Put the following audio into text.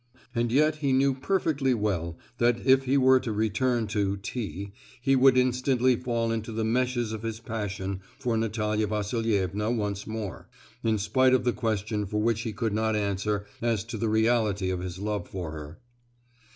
And yet he knew perfectly well that if he were to return to T—— he would instantly fall into the meshes of his passion for Natalia Vasilievna once more, in spite of the question which he could not answer as to the reality of his love for her.